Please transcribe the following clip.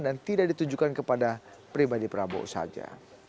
dan tidak ditujukan kepada pribadi prabowo saja